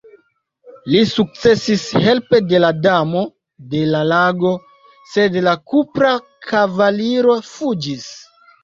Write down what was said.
Li sukcesis, helpe de la Damo de la Lago, sed la Kupra Kavaliro fuĝis.